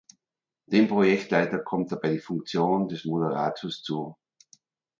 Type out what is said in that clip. Dem Projektleiter kommt dabei die Funktion des Moderators zu.